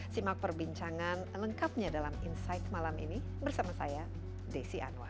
simak perbincangan lengkapnya dalam insight malam ini bersama saya desi anwar